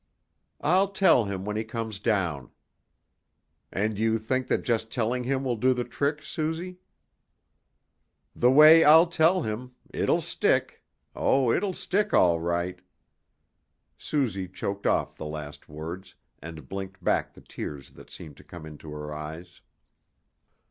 "I'll tell him when he comes down." "And you think that just telling him will do the trick, Suzy?" "The way I'll tell him, it'll stick, oh it'll stick all right." Suzy choked off the last words, and blinked back the tears that seemed to come into her eyes.